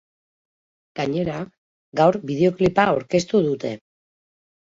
Gainera, gaur bideoklipa aurkeztu dute.